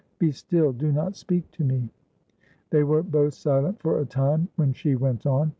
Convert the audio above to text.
Be still; do not speak to me." They were both silent for a time; when she went on.